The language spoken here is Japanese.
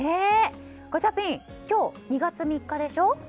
ガチャピン今日２月３日でしょ。